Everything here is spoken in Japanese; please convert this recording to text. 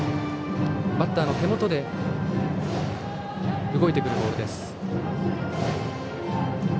バッターの手元で動いてくるボールです。